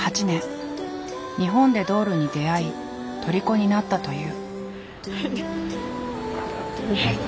日本でドールに出会いとりこになったという。